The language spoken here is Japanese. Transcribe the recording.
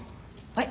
はい。